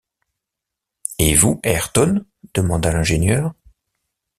Et vous, Ayrton? demanda l’ingénieur.